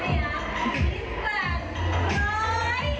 ยุคล้ำหลักหลุดมิสแครนด์แฮชู